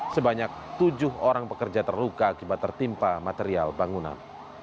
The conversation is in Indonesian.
sebanyak tujuh orang pekerja terluka akibat tertimpa material bangunan